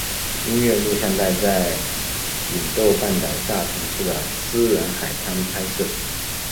音乐录影带在伊豆半岛下田市的私人海滩拍摄。